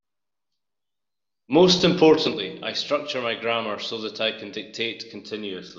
Most importantly, I structure my grammar so that I can dictate continuously.